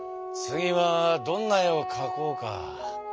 次はどんな絵を描こうか。